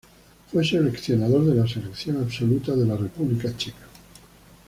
Fue seleccionador de la Selección absoluta de la República Checa.